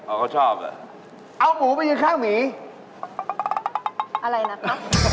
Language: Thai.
ถ้าคุณตอบถูกเป๊กจะให้คุณ๕๐๐๐บาท